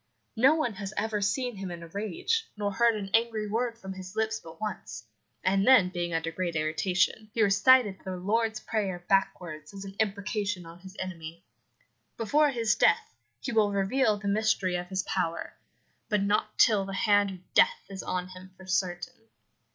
No one has ever seen him in a rage, nor heard an angry word from his lips but once, and then being under great irritation, he recited the Lord's Prayer backwards as an imprecation on his enemy. Before his death he will reveal the mystery of his power, but not till the hand of death is on him for certain.'"